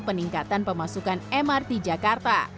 peningkatan pemasukan mrt jakarta